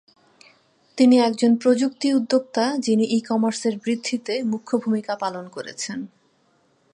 তিনি একজন প্রযুক্তি উদ্যোক্তা যিনি ই-কমার্সের বৃদ্ধিতে মুখ্য ভূমিকা পালন করেছেন।